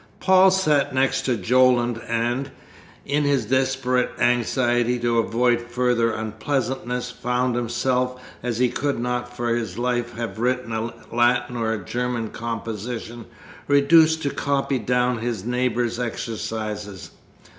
Paul sat next to Jolland and, in his desperate anxiety to avoid further unpleasantness, found himself, as he could not for his life have written a Latin or a German composition, reduced to copy down his neighbour's exercises.